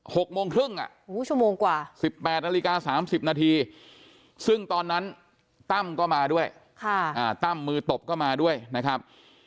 หกโมงครึ่งอ่ะหูชั่วโมงกว่าสิบแปดนาฬิกาสามสิบนาทีซึ่งตอนนั้นตั้มก็มาด้วยค่ะอ่าตั้มมือตบก็มาด้วยนะครับ